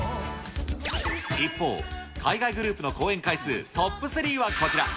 一方、海外グループの公演回数トップ３はこちら。